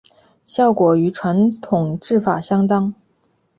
效果与传统制法相当。